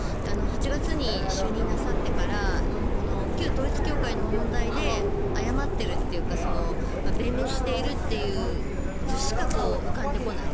８月に就任なさってから旧統一教会の問題で謝っているというか弁明しているという図しか浮かんでこない。